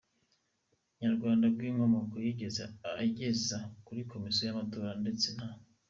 Nyarwanda bw’inkomoko yigeze ageza kuri Komisiyo y’Amatora, ndetse nta.